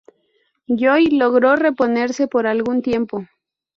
Joy logró reponerse por algún tiempo.